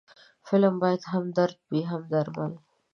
فلم باید هم درد وي، هم درمل